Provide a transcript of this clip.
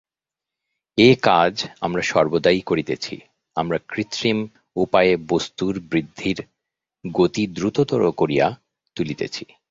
এ-কাজ আমরা সর্বদাই করিতেছি, আমরা কৃত্রিম উপায়ে বস্তুর বৃদ্ধির গতি দ্রুততর করিয়া তুলিতেছি।